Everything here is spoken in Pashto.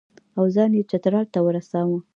او ځان یې چترال ته ورساوه.